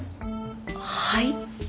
はい？